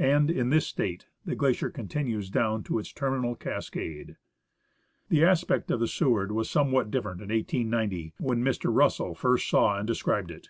And in this state the glacier continues down to its terminal cascade. The aspect of the Seward was somewhat different in 1890, when Mr. Russell first saw and described it.